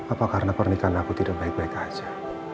apa karena pernikahan aku tidak baik baik saja